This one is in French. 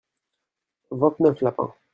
Vingt-neuf lapins.